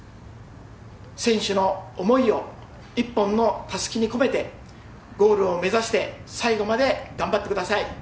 選手の思いを一本のたすきに込めてゴールを目指して最後まで頑張ってください。